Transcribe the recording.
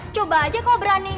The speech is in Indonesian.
coba aja kau berani